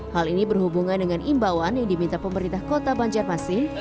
hal ini berhubungan dengan imbauan yang diminta pemerintah kota banjarmasin